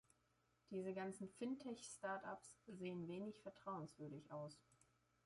Diese ganzen Fintech Startups sehen wenig vertrauenswürdig aus.